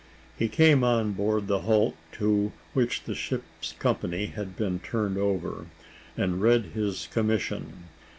He came on board the hulk to which the ship's company had been turned over, and read his commission.